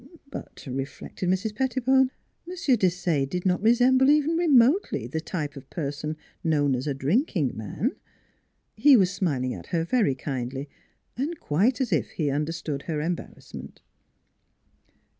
But (reflected Mrs. Pettibone) M. Desaye did not resemble even remotely the type of person known as " a drinking man." He was smiling at her very kindly, and quite as if he understood her embarrassment.